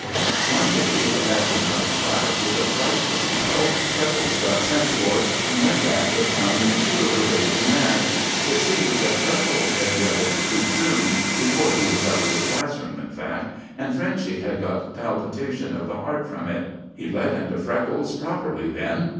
One day, dashing out of class with a frightful yell, Freckles got sent for, and went back and found Monsieur raving mad. It seemed that Freckles had yelled too soon before he was out of the class room, in fact, and Frenchy had got palpitation of the heart from it. He let into Freckles properly then.